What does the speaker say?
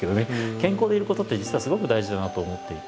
健康でいることって実はすごく大事だなと思っていて。